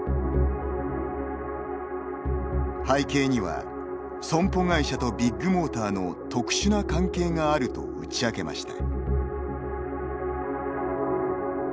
背景には、損保会社とビッグモーターの特殊な関係があると打ち明けました。